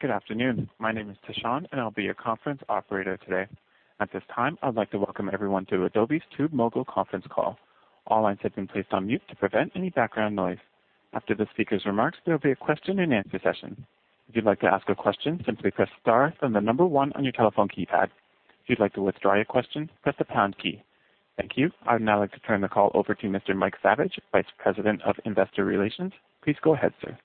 Good afternoon. My name is Tashan, and I'll be your conference operator today. At this time, I'd like to welcome everyone to Adobe's TubeMogul conference call. All lines have been placed on mute to prevent any background noise. After the speaker's remarks, there will be a question-and-answer session. If you'd like to ask a question, simply press star, then 1 on your telephone keypad. If you'd like to withdraw your question, press the pound key. Thank you. I'd now like to turn the call over to Mr. Mike Saviage, Vice President of Investor Relations. Please go ahead, sir.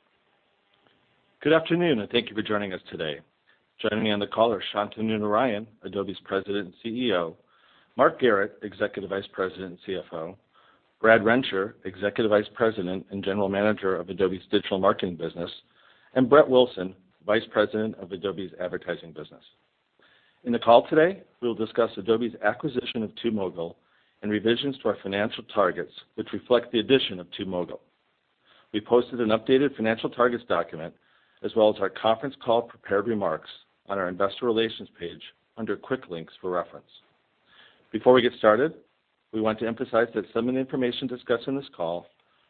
Good afternoon. Thank you for joining us today. Joining me on the call are Shantanu Narayen, Adobe's President and CEO, Mark Garrett, Executive Vice President and CFO, Brad Rencher, Executive Vice President and General Manager of Adobe's Digital Marketing business, and Brett Wilson, Vice President of Adobe's Advertising business. In the call today, we'll discuss Adobe's acquisition of TubeMogul and revisions to our financial targets, which reflect the addition of TubeMogul. We posted an updated financial targets document, as well as our conference call prepared remarks on our investor relations page under Quick Links for reference. Before we get started, we want to emphasize that some of the information discussed on this call,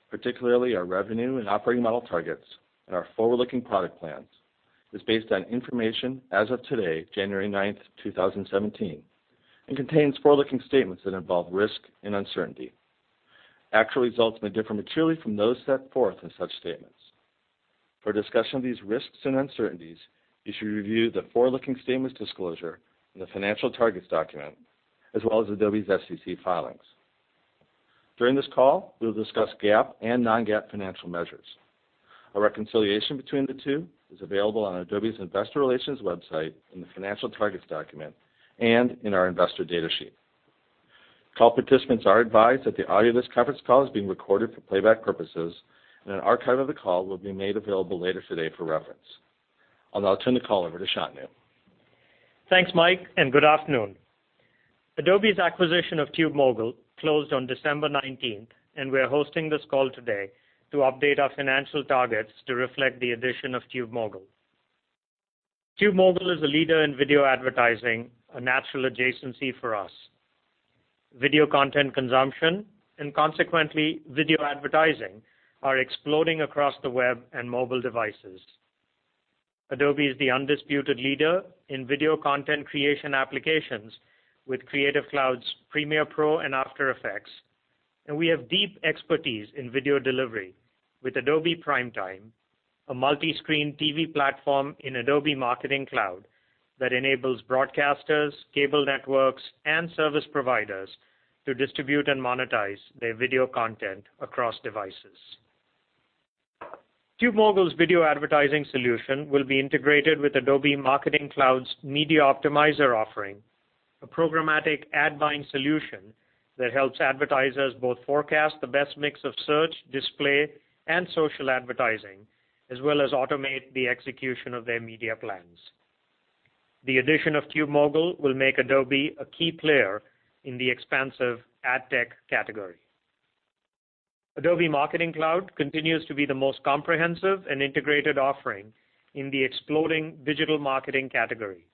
particularly our revenue and operating model targets and our forward-looking product plans, is based on information as of today, January 9, 2017, and contains forward-looking statements that involve risk and uncertainty. Actual results may differ materially from those set forth in such statements. For a discussion of these risks and uncertainties, you should review the forward-looking statements disclosure in the financial targets document, as well as Adobe's SEC filings. During this call, we'll discuss GAAP and non-GAAP financial measures. A reconciliation between the two is available on adobe.com in the financial targets document and in our investor data sheet. Call participants are advised that the audio of this conference call is being recorded for playback purposes, and an archive of the call will be made available later today for reference. I'll now turn the call over to Shantanu. Thanks, Mike. Good afternoon. Adobe's acquisition of TubeMogul closed on December 19, and we're hosting this call today to update our financial targets to reflect the addition of TubeMogul. TubeMogul is a leader in video advertising, a natural adjacency for us. Video content consumption, and consequently video advertising, are exploding across the web and mobile devices. Adobe is the undisputed leader in video content creation applications with Creative Cloud's Premiere Pro and After Effects, and we have deep expertise in video delivery with Adobe Primetime, a multi-screen TV platform in Adobe Marketing Cloud that enables broadcasters, cable networks, and service providers to distribute and monetize their video content across devices. TubeMogul's video advertising solution will be integrated with Adobe Marketing Cloud's Media Optimizer offering, a programmatic ad-buying solution that helps advertisers both forecast the best mix of search, display, and social advertising, as well as automate the execution of their media plans. The addition of TubeMogul will make Adobe a key player in the expansive ad tech category. Adobe Marketing Cloud continues to be the most comprehensive and integrated offering in the exploding digital marketing category.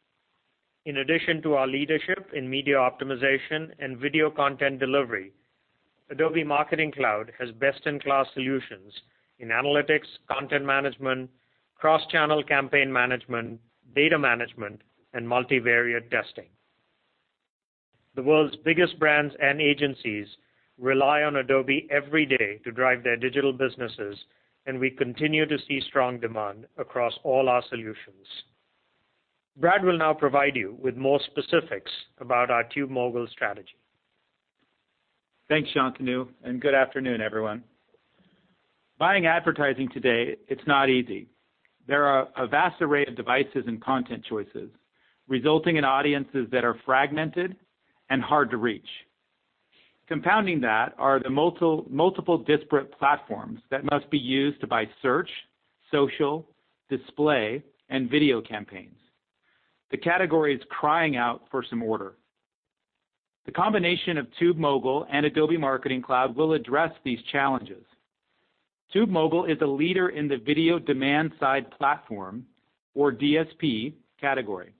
In addition to our leadership in media optimization and video content delivery, Adobe Marketing Cloud has best-in-class solutions in analytics, content management, cross-channel campaign management, data management, and multivariate testing. The world's biggest brands and agencies rely on Adobe every day to drive their digital businesses, and we continue to see strong demand across all our solutions. Brad will now provide you with more specifics about our TubeMogul strategy. Thanks, Shantanu, and good afternoon, everyone. Buying advertising today, it's not easy. There are a vast array of devices and content choices, resulting in audiences that are fragmented and hard to reach. Compounding that are the multiple disparate platforms that must be used to buy search, social, display, and video campaigns. The category is crying out for some order. The combination of TubeMogul and Adobe Marketing Cloud will address these challenges. TubeMogul is a leader in the video demand-side platform, or DSP category.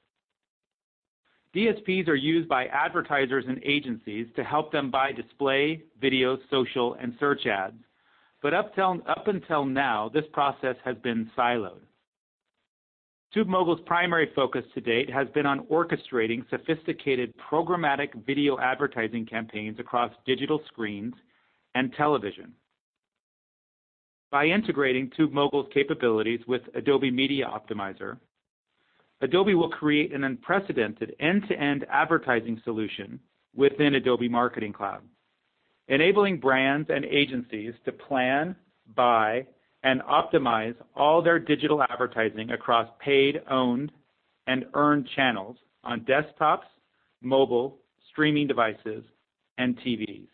DSPs are used by advertisers and agencies to help them buy display, video, social, and search ads. Up until now, this process has been siloed. TubeMogul's primary focus to date has been on orchestrating sophisticated programmatic video advertising campaigns across digital screens and television. By integrating TubeMogul's capabilities with Adobe Media Optimizer, Adobe will create an unprecedented end-to-end advertising solution within Adobe Marketing Cloud, enabling brands and agencies to plan, buy, and optimize all their digital advertising across paid, owned, and earned channels on desktops, mobile, streaming devices, and TVs.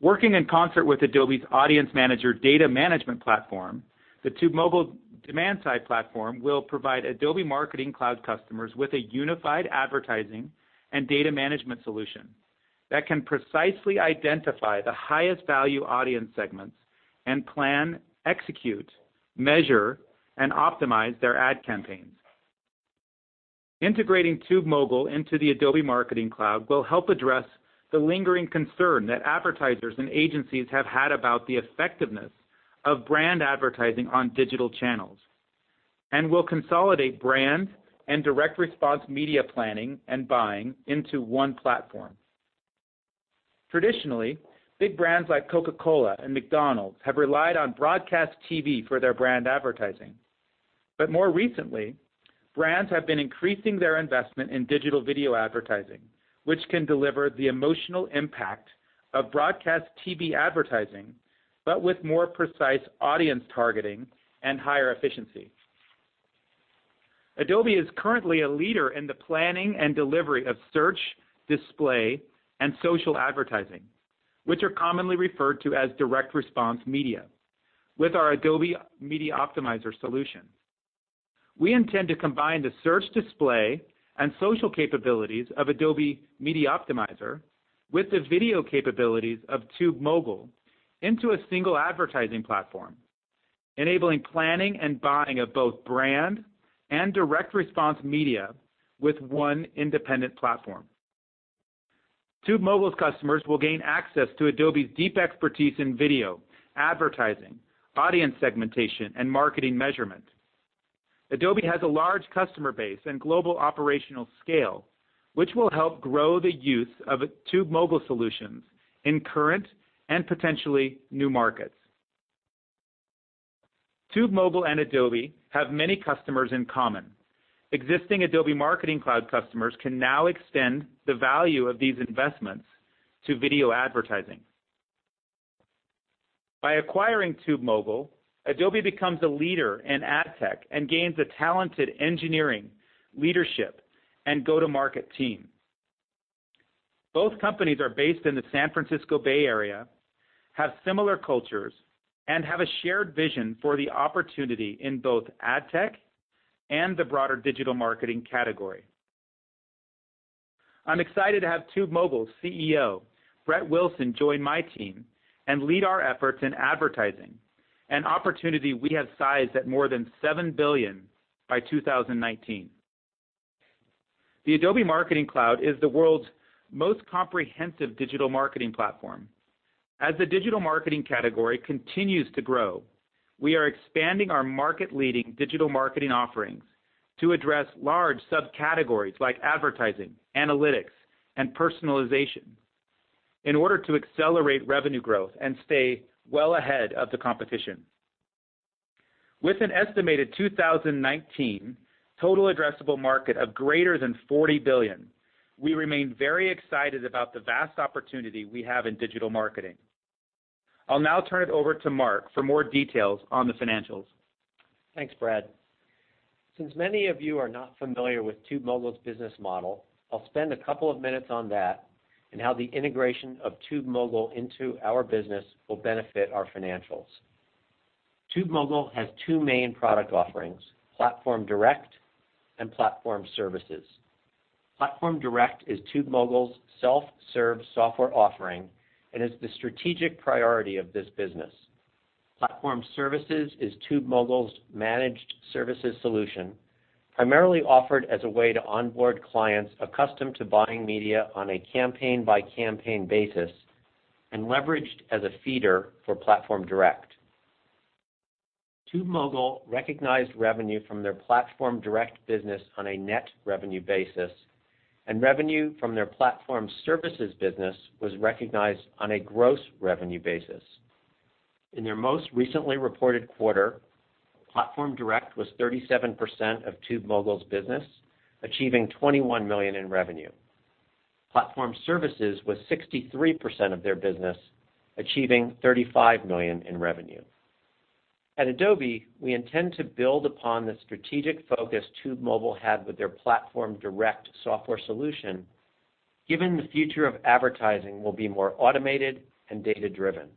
Working in concert with Adobe's Audience Manager data management platform, the TubeMogul demand-side platform will provide Adobe Marketing Cloud customers with a unified advertising and data management solution that can precisely identify the highest value audience segments and plan, execute, measure, and optimize their ad campaigns. Integrating TubeMogul into the Adobe Marketing Cloud will help address the lingering concern that advertisers and agencies have had about the effectiveness of brand advertising on digital channels and will consolidate brand and direct response media planning and buying into one platform. Traditionally, big brands like Coca-Cola and McDonald's have relied on broadcast TV for their brand advertising. More recently, brands have been increasing their investment in digital video advertising, which can deliver the emotional impact of broadcast TV advertising, but with more precise audience targeting and higher efficiency. Adobe is currently a leader in the planning and delivery of search, display, and social advertising, which are commonly referred to as direct response media with our Adobe Media Optimizer solutions. We intend to combine the search display and social capabilities of Adobe Media Optimizer with the video capabilities of TubeMogul into a single advertising platform, enabling planning and buying of both brand and direct response media with one independent platform. TubeMogul's customers will gain access to Adobe's deep expertise in video advertising, audience segmentation, and marketing measurement. Adobe has a large customer base and global operational scale, which will help grow the use of TubeMogul solutions in current and potentially new markets. TubeMogul and Adobe have many customers in common. Existing Adobe Marketing Cloud customers can now extend the value of these investments to video advertising. By acquiring TubeMogul, Adobe becomes a leader in ad tech and gains a talented engineering leadership and go-to-market team. Both companies are based in the San Francisco Bay Area, have similar cultures, and have a shared vision for the opportunity in both ad tech and the broader digital marketing category. I'm excited to have TubeMogul's CEO, Brett Wilson, join my team and lead our efforts in advertising, an opportunity we have sized at more than $7 billion by 2019. The Adobe Marketing Cloud is the world's most comprehensive digital marketing platform. As the digital marketing category continues to grow, we are expanding our market-leading digital marketing offerings to address large subcategories like advertising, analytics, and personalization in order to accelerate revenue growth and stay well ahead of the competition. With an estimated 2019 total addressable market of greater than $40 billion, we remain very excited about the vast opportunity we have in digital marketing. I'll now turn it over to Mark for more details on the financials. Thanks, Brad. Since many of you are not familiar with TubeMogul's business model, I'll spend a couple of minutes on that and how the integration of TubeMogul into our business will benefit our financials. TubeMogul has two main product offerings, Platform Direct and Platform Services. Platform Direct is TubeMogul's self-serve software offering and is the strategic priority of this business. Platform Services is TubeMogul's managed services solution, primarily offered as a way to onboard clients accustomed to buying media on a campaign-by-campaign basis and leveraged as a feeder for Platform Direct. TubeMogul recognized revenue from their Platform Direct business on a net revenue basis, and revenue from their Platform Services business was recognized on a gross revenue basis. In their most recently reported quarter, Platform Direct was 37% of TubeMogul's business, achieving $21 million in revenue. Platform Services was 63% of their business, achieving $35 million in revenue. At Adobe, we intend to build upon the strategic focus TubeMogul had with their Platform Direct software solution, given the future of advertising will be more automated and data-driven.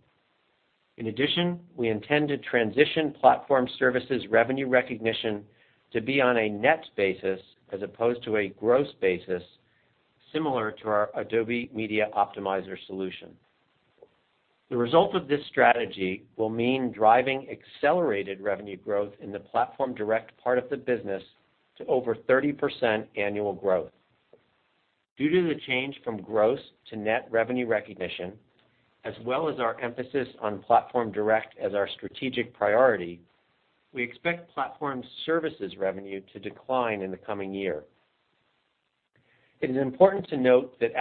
In addition, we intend to transition Platform Services revenue recognition to be on a net basis as opposed to a gross basis, similar to our Adobe Media Optimizer solution. The result of this strategy will mean driving accelerated revenue growth in the Platform Direct part of the business to over 30% annual growth. Due to the change from gross to net revenue recognition, as well as our emphasis on Platform Direct as our strategic priority, we expect Platform Services revenue to decline in the coming year. It is important to note that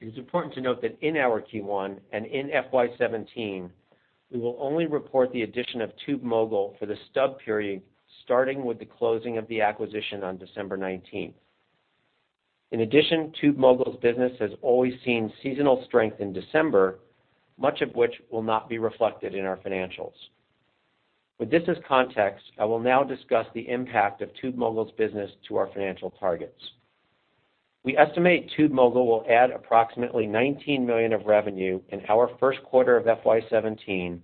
in our Q1 and in FY 2017, we will only report the addition of TubeMogul for the stub period, starting with the closing of the acquisition on December 19th. In addition, TubeMogul's business has always seen seasonal strength in December, much of which will not be reflected in our financials. With this as context, I will now discuss the impact of TubeMogul's business to our financial targets. We estimate TubeMogul will add approximately $19 million of revenue in our first quarter of FY 2017,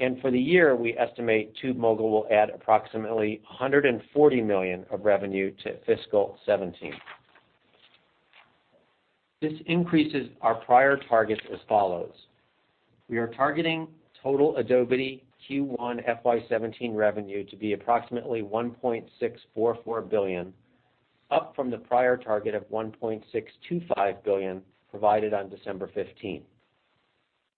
and for the year, we estimate TubeMogul will add approximately $140 million of revenue to fiscal 2017. This increases our prior target as follows. We are targeting total Adobe Q1 FY 2017 revenue to be approximately $1.644 billion, up from the prior target of $1.625 billion provided on December 15.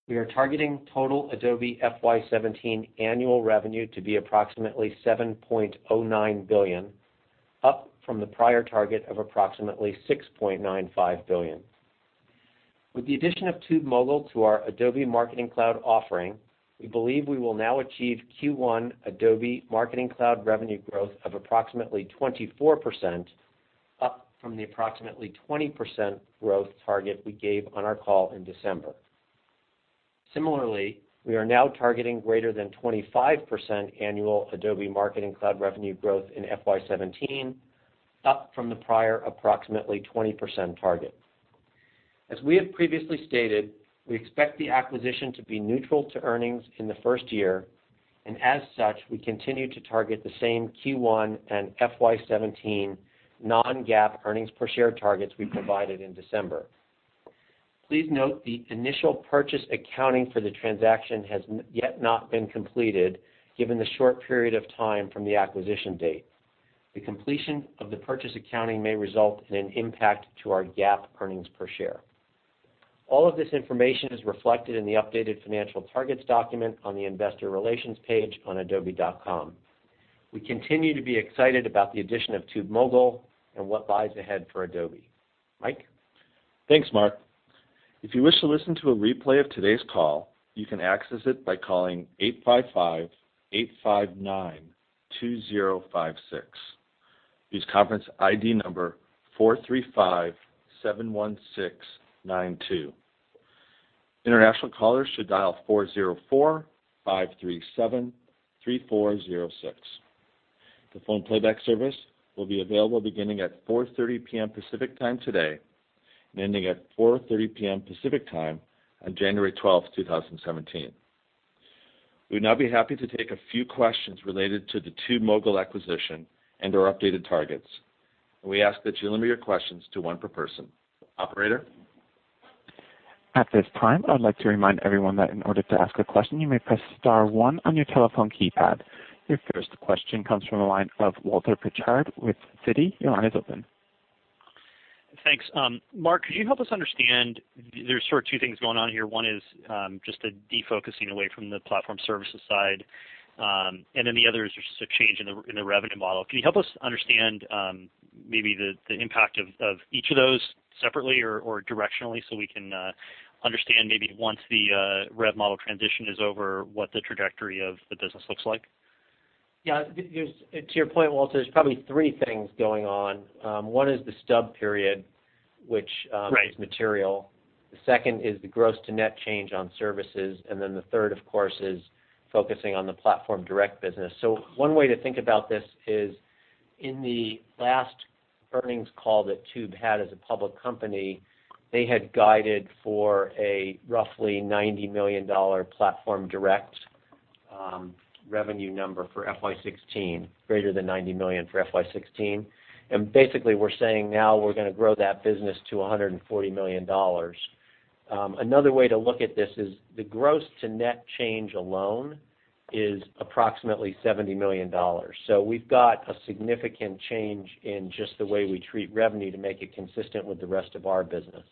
We are targeting total Adobe FY 2017 annual revenue to be approximately $7.09 billion, up from the prior target of approximately $6.95 billion. With the addition of TubeMogul to our Adobe Marketing Cloud offering, we believe we will now achieve Q1 Adobe Marketing Cloud revenue growth of approximately 24%, up from the approximately 20% growth target we gave on our call in December. Similarly, we are now targeting greater than 25% annual Adobe Marketing Cloud revenue growth in FY 2017, up from the prior approximately 20% target. As we have previously stated, we expect the acquisition to be neutral to earnings in the first year, and as such, we continue to target the same Q1 and FY 2017 non-GAAP earnings per share targets we provided in December. Please note the initial purchase accounting for the transaction has yet not been completed, given the short period of time from the acquisition date. The completion of the purchase accounting may result in an impact to our GAAP earnings per share. All of this information is reflected in the updated financial targets document on the investor relations page on adobe.com. We continue to be excited about the addition of TubeMogul and what lies ahead for Adobe. Mike? Thanks, Mark. If you wish to listen to a replay of today's call, you can access it by calling 855-859-2056. Use conference ID number 43571692. International callers should dial 404-537-3406. The phone playback service will be available beginning at 4:30 P.M. Pacific Time today and ending at 4:30 P.M. Pacific Time on January 12th, 2017. We would now be happy to take a few questions related to the TubeMogul acquisition and our updated targets. We ask that you limit your questions to one per person. Operator? At this time, I would like to remind everyone that in order to ask a question, you may press star one on your telephone keypad. Your first question comes from the line of Walter Pritchard with Citi. Your line is open. Thanks. Mark, could you help us understand, there's sort of two things going on here. One is just a defocusing away from the Platform Services side, the other is just a change in the revenue model. Can you help us understand maybe the impact of each of those separately or directionally, we can understand maybe once the rev model transition is over, what the trajectory of the business looks like? Yeah. To your point, Walter, there's probably three things going on. One is the stub period. Right is material. The second is the gross to net change on services. The third, of course, is focusing on the Platform Direct business. One way to think about this is in the last earnings call that Tube had as a public company, they had guided for a roughly $90 million Platform Direct revenue number for FY '16, greater than $90 million for FY '16. Basically, we're saying now we're going to grow that business to $140 million. Another way to look at this is the gross to net change alone is approximately $70 million. We've got a significant change in just the way we treat revenue to make it consistent with the rest of our business.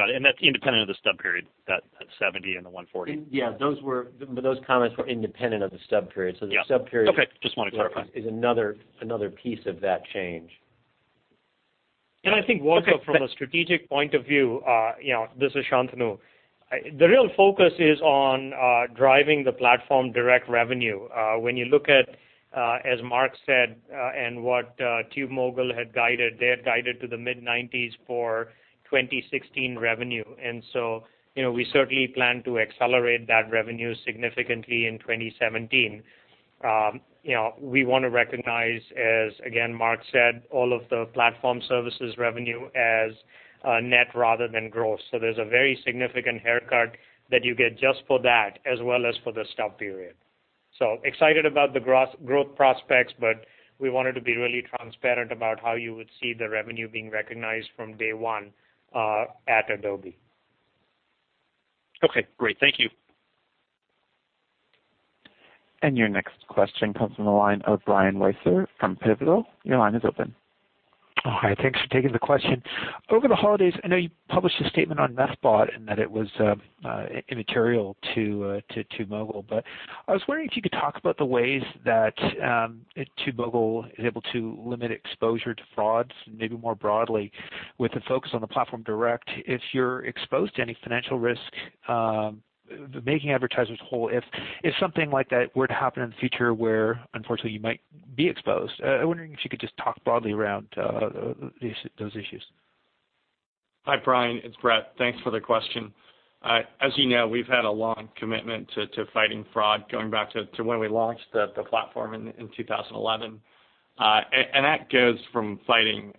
Got it. Is that independent of the stub period, that $70 and the $140? Yeah. Those comments were independent of the stub period. Yeah. The stub period. Okay. I just want to clarify. is another piece of that change. I think, Walter. Okay. Thanks From a strategic point of view, this is Shantanu. The real focus is on driving the Platform Direct revenue. When you look at, as Mark said, what TubeMogul had guided, they had guided to the mid-90s for 2016 revenue. We certainly plan to accelerate that revenue significantly in 2017. We want to recognize as, again, Mark said, all of the Platform Services revenue as net rather than gross. There's a very significant haircut that you get just for that, as well as for the stub period. Excited about the growth prospects, but we wanted to be really transparent about how you would see the revenue being recognized from day one at Adobe. Okay, great. Thank you. Your next question comes from the line of Brian Wieser from Pivotal. Your line is open. Hi. Thanks for taking the question. Over the holidays, I know you published a statement on Methbot and that it was immaterial to TubeMogul, but I was wondering if you could talk about the ways that TubeMogul is able to limit exposure to frauds, maybe more broadly with the focus on the Platform Direct, if you're exposed to any financial risk making advertisers whole if something like that were to happen in the future where unfortunately you might be exposed. I'm wondering if you could just talk broadly around those issues. Hi, Brian. It's Brett. Thanks for the question. As you know, we've had a long commitment to fighting fraud going back to when we launched the platform in 2011. That goes from fighting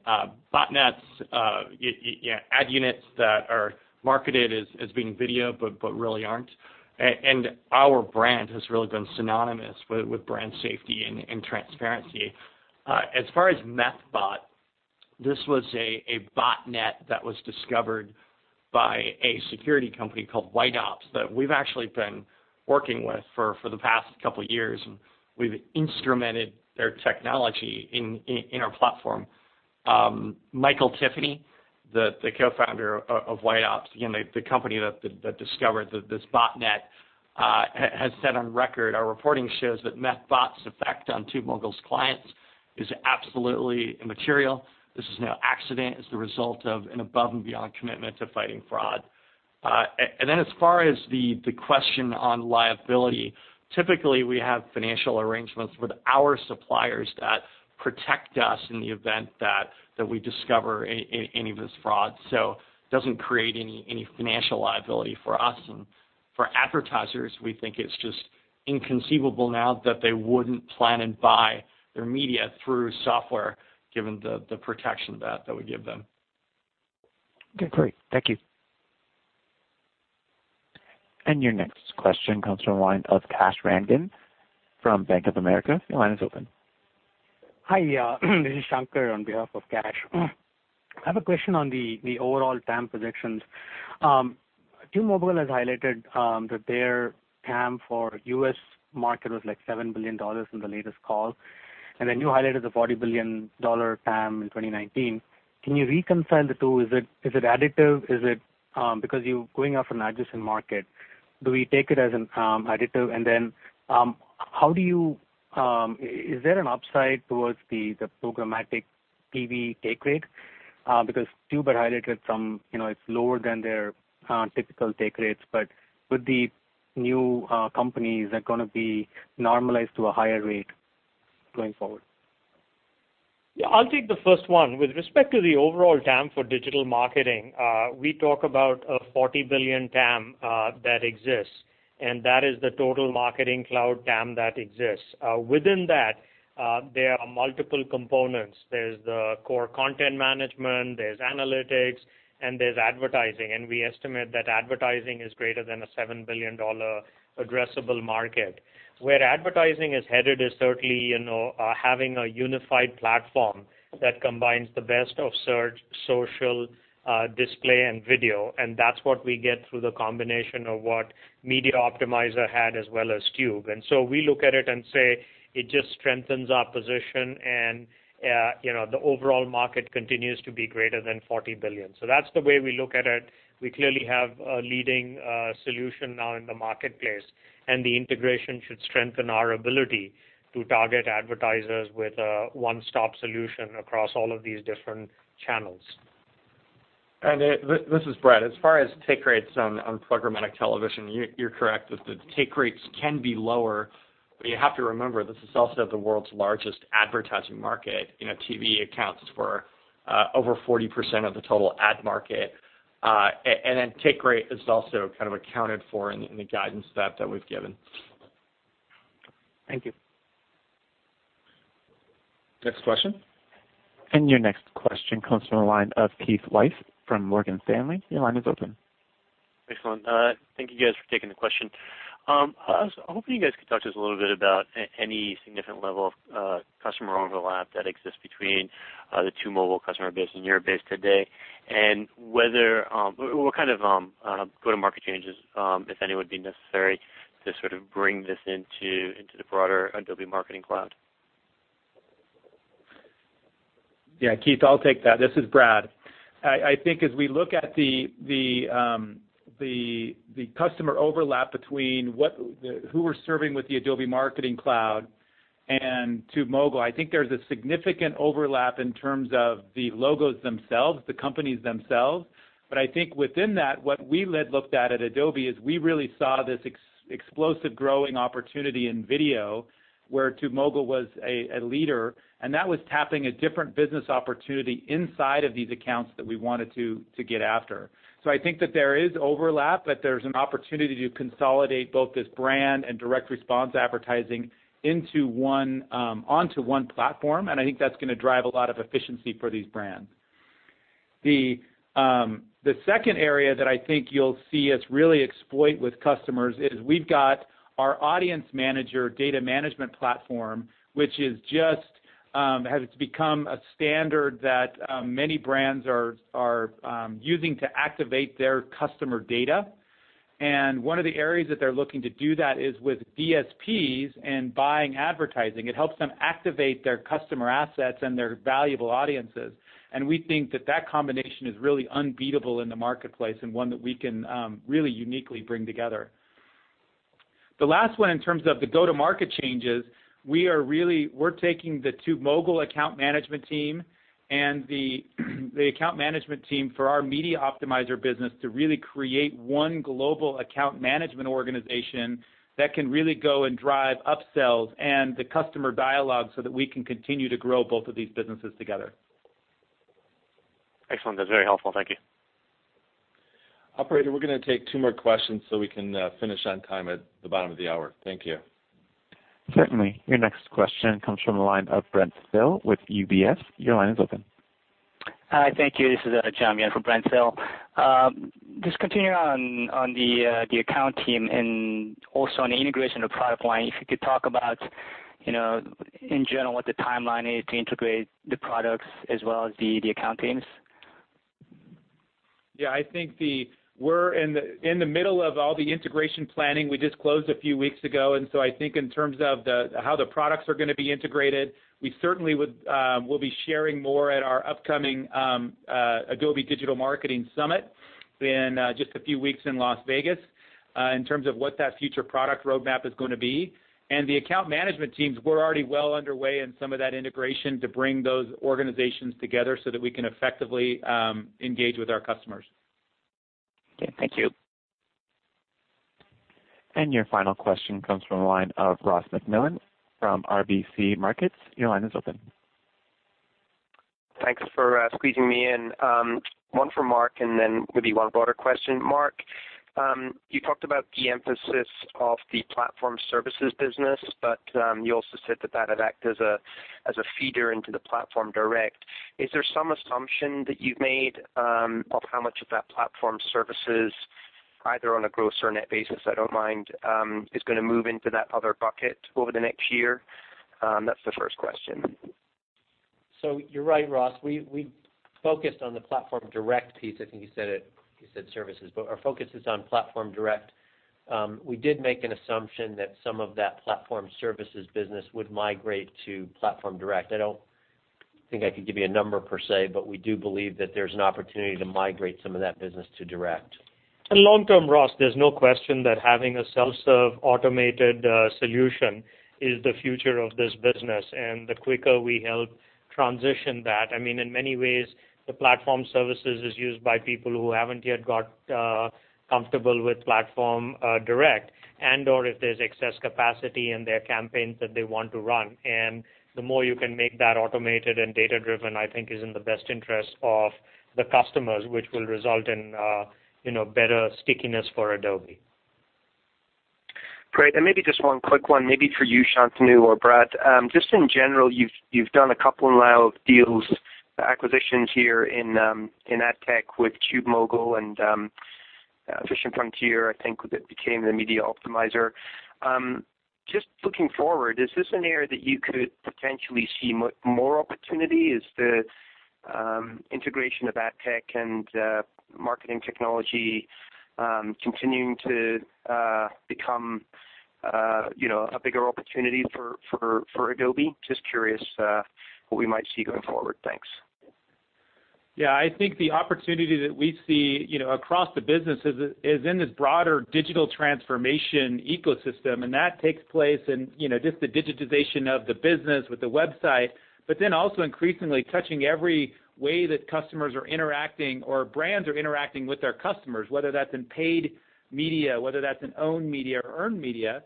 botnets, ad units that are marketed as being video but really aren't. Our brand has really been synonymous with brand safety and transparency. As far as Methbot This was a botnet that was discovered by a security company called White Ops that we've actually been working with for the past couple of years, and we've instrumented their technology in our platform. Michael Tiffany, the co-founder of White Ops, again, the company that discovered this botnet, has said on record, "Our reporting shows that Methbot's effect on TubeMogul's clients is absolutely immaterial. This is no accident. It's the result of an above-and-beyond commitment to fighting fraud." As far as the question on liability, typically we have financial arrangements with our suppliers that protect us in the event that we discover any of this fraud. Doesn't create any financial liability for us. For advertisers, we think it's just inconceivable now that they wouldn't plan and buy their media through software, given the protection that we give them. Okay, great. Thank you. Your next question comes from the line of Kash Rangan from Bank of America. Your line is open. Hi, this is Shankar on behalf of Kash. I have a question on the overall TAM positions. TubeMogul has highlighted that their TAM for U.S. market was like $7 billion in the latest call. You highlighted the $40 billion TAM in 2019. Can you reconcile the two? Is it additive? Because you're going off an adjacent market, do we take it as additive? Is there an upside towards the programmatic TV take rate? Because Tube had highlighted it's lower than their typical take rates, but with the new companies, are going to be normalized to a higher rate going forward? Yeah, I'll take the first one. With respect to the overall TAM for digital marketing, we talk about a $40 billion TAM that exists, and that is the total Marketing Cloud TAM that exists. Within that, there are multiple components. There's the core content management, there's analytics, and there's advertising, and we estimate that advertising is greater than a $7 billion addressable market. Where advertising is headed is certainly having a unified platform that combines the best of search, social, display, and video, that's what we get through the combination of what Media Optimizer had, as well as Tube. We look at it and say it just strengthens our position, and the overall market continues to be greater than $40 billion. That's the way we look at it. We clearly have a leading solution now in the marketplace, the integration should strengthen our ability to target advertisers with a one-stop solution across all of these different channels. This is Brad. As far as take rates on programmatic television, you're correct. The take rates can be lower, but you have to remember, this is also the world's largest advertising market. TV accounts for over 40% of the total ad market. Take rate is also kind of accounted for in the guidance that we've given. Thank you. Next question. Your next question comes from the line of Keith Weiss from Morgan Stanley. Your line is open. Excellent. Thank you guys for taking the question. I was hoping you guys could talk to us a little bit about any significant level of customer overlap that exists between the TubeMogul customer base and your base today, and what kind of go-to-market changes, if any, would be necessary to sort of bring this into the broader Adobe Marketing Cloud. Yeah, Keith, I'll take that. This is Brad. I think as we look at the customer overlap between who we're serving with the Adobe Marketing Cloud and TubeMogul, I think there's a significant overlap in terms of the logos themselves, the companies themselves. I think within that, what we looked at at Adobe is we really saw this explosive growing opportunity in video where TubeMogul was a leader, and that was tapping a different business opportunity inside of these accounts that we wanted to get after. I think that there is overlap, but there's an opportunity to consolidate both this brand and direct response advertising onto one platform, and I think that's going to drive a lot of efficiency for these brands. The second area that I think you'll see us really exploit with customers is we've got our Audience Manager data management platform, which has just become a standard that many brands are using to activate their customer data. One of the areas that they're looking to do that is with DSPs and buying advertising. It helps them activate their customer assets and their valuable audiences, and we think that that combination is really unbeatable in the marketplace and one that we can really uniquely bring together. The last one, in terms of the go-to-market changes, we're taking the TubeMogul account management team and the account management team for our Media Optimizer business to really create one global account management organization that can really go and drive upsells and the customer dialogue so that we can continue to grow both of these businesses together. Excellent. That's very helpful. Thank you. Operator, we're going to take two more questions so we can finish on time at the bottom of the hour. Thank you. Certainly. Your next question comes from the line of Brent Thill with UBS. Your line is open. Hi, thank you. This is John Yan from Brent Thill. Continuing on the account team and also on the integration of product line, if you could talk about, in general, what the timeline is to integrate the products as well as the account teams. I think we're in the middle of all the integration planning. We just closed a few weeks ago, so I think in terms of how the products are going to be integrated, we certainly will be sharing more at our upcoming Adobe Summit in just a few weeks in Las Vegas, in terms of what that future product roadmap is going to be. The account management teams, we're already well underway in some of that integration to bring those organizations together so that we can effectively engage with our customers. Okay, thank you. Your final question comes from the line of Ross MacMillan from RBC Capital Markets. Your line is open. Thanks for squeezing me in. One for Mark, then maybe one broader question. Mark, you talked about the emphasis of the Platform Services business, you also said that that'd act as a feeder into the Platform Direct. Is there some assumption that you've made of how much of that Platform Services, either on a gross or net basis, I don't mind, is going to move into that other bucket over the next year? That's the first question. You're right, Ross. We focused on the Platform Direct piece. I think you said services, our focus is on Platform Direct. We did make an assumption that some of that Platform Services business would migrate to Platform Direct. I don't think I could give you a number per se, we do believe that there's an opportunity to migrate some of that business to Direct. Long term, Ross, there's no question that having a self-serve automated solution is the future of this business, the quicker we help transition that, I mean, in many ways, the Platform Services is used by people who haven't yet got comfortable with Platform Direct and/or if there's excess capacity in their campaigns that they want to run. The more you can make that automated and data-driven, I think is in the best interest of the customers, which will result in better stickiness for Adobe. Great. Maybe just one quick one, maybe for you, Shantanu or Brad. Just in general, you've done a couple now of deals, acquisitions here in ad tech with TubeMogul and Efficient Frontier, I think what became the Media Optimizer. Just looking forward, is this an area that you could potentially see more opportunity? Is the integration of ad tech and marketing technology continuing to become a bigger opportunity for Adobe? Just curious what we might see going forward. Thanks. I think the opportunity that we see across the business is in this broader digital transformation ecosystem. That takes place in just the digitization of the business with the website. Also increasingly touching every way that customers are interacting or brands are interacting with their customers, whether that's in paid media, whether that's in owned media or earned media.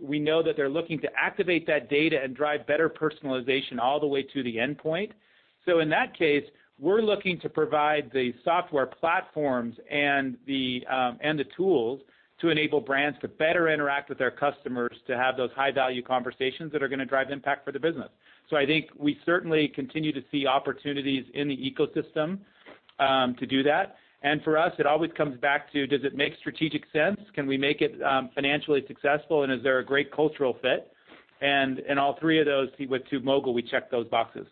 We know that they're looking to activate that data and drive better personalization all the way to the end point. In that case, we're looking to provide the software platforms and the tools to enable brands to better interact with their customers to have those high-value conversations that are going to drive impact for the business. I think we certainly continue to see opportunities in the ecosystem to do that. For us, it always comes back to, does it make strategic sense? Can we make it financially successful, and is there a great cultural fit? In all three of those with TubeMogul, we check those boxes.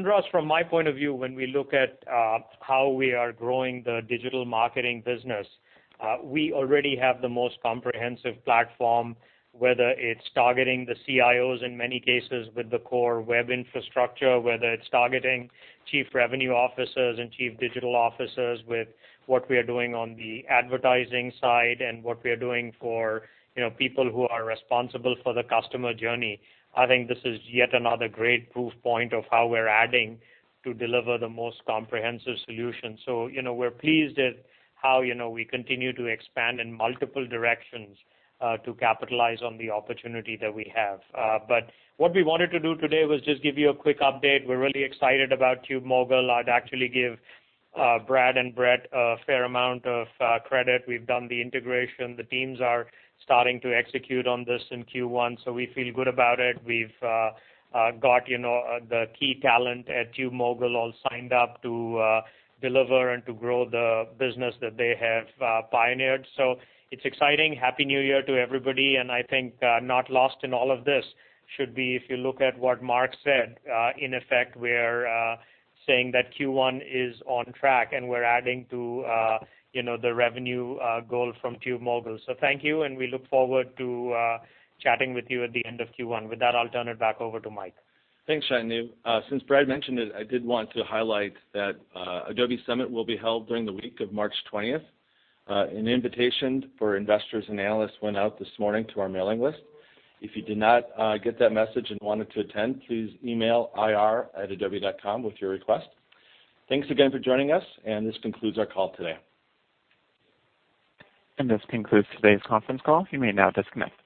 Ross, from my point of view, when we look at how we are growing the digital marketing business, we already have the most comprehensive platform, whether it's targeting the CIOs in many cases with the core web infrastructure, whether it's targeting Chief Revenue Officers and Chief Digital Officers with what we are doing on the advertising side and what we are doing for people who are responsible for the customer journey. I think this is yet another great proof point of how we're adding to deliver the most comprehensive solution. We're pleased at how we continue to expand in multiple directions to capitalize on the opportunity that we have. What we wanted to do today was just give you a quick update. We're really excited about TubeMogul. I'd actually give Brad and Brett a fair amount of credit. We've done the integration. The teams are starting to execute on this in Q1, we feel good about it. We've got the key talent at TubeMogul all signed up to deliver and to grow the business that they have pioneered. It's exciting. Happy New Year to everybody, I think not lost in all of this should be, if you look at what Mark said, in effect, we're saying that Q1 is on track and we're adding to the revenue goal from TubeMogul. Thank you, we look forward to chatting with you at the end of Q1. With that, I'll turn it back over to Mike. Thanks, Shantanu. Since Brad mentioned it, I did want to highlight that Adobe Summit will be held during the week of March 20th. An invitation for investors and analysts went out this morning to our mailing list. If you did not get that message and wanted to attend, please email ir@adobe.com with your request. Thanks again for joining us, and this concludes our call today. This concludes today's conference call. You may now disconnect.